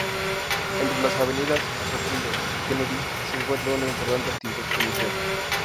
Entre las avenidas Apoquindo y Kennedy se encuentra una importante actividad comercial.